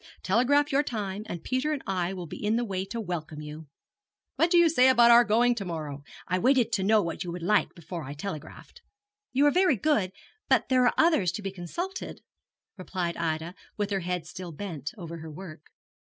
Telegraph your time, and Peter and I will be in the way to welcome you!' 'What do you say to our going to morrow? I waited to know what you would like before I telegraphed.' 'You are very good: but there are others to be consulted,' replied Ida, with her head still bent over her work.